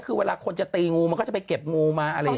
คือเวลาคนจะตีงูมันก็จะไปเก็บงูมาอะไรอย่างนี้